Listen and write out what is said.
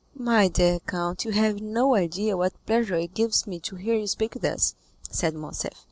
"My dear count, you have no idea what pleasure it gives me to hear you speak thus," said Morcerf.